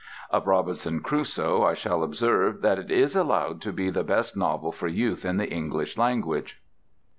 Of 'Robinson Crusoe' I shall observe that it is allowed to be the best novel for youth in the English language."